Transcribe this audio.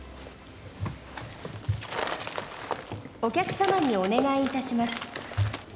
「お客様にお願い致します。